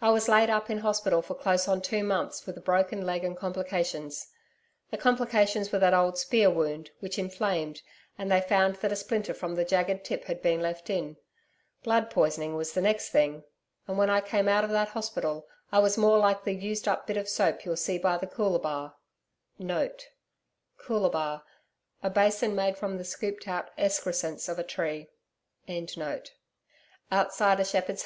I was laid up in hospital for close on two months, with a broken leg and complications. The complications were that old spear wound, which inflamed, and they found that a splinter from the jagged tip had been left in. Blood poisoning was the next thing; and when I came out of that hospital I was more like the used up bit of soap you'll see by the COOLIBAH* outside a shepherd's hut on ration bringing day, than anything else I can think of.